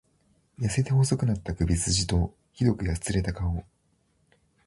痩せて細くなった首すじと、酷くやつれた顔。